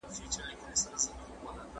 خطرناک کثافات کوم دي؟